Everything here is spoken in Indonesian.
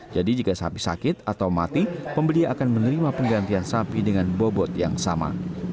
jadi jika sapi sakit atau mati pembeli akan menerima penggantian sapi dengan bobot yang sama